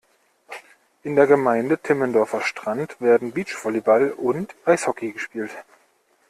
In der Gemeinde Timmendorfer Strand werden Beachvolleyball und Eishockey gespielt.